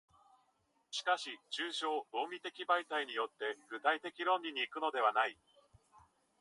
しかし抽象論理的媒介によって具体的論理に行くのではない。